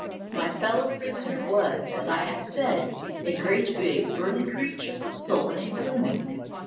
My fellow prisoner was, as I have said, a great, big, burly creature, sullen and gloomy.